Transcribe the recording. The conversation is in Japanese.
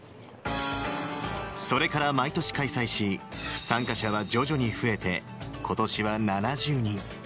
それから毎年開催し、参加者は徐々に増えてことしは７０人。